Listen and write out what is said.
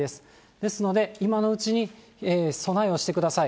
ですので、今のうちに備えをしてください。